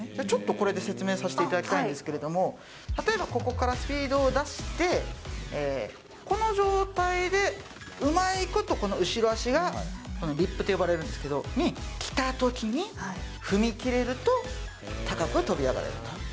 ちょっとこれで説明させていただきたいんですけれども、例えば、ここからスピードを出して、この状態で、うまいこと、この後ろ足がこのリップと呼ばれるんですけど、に、来たときに踏み切れると、高く飛び上がれると。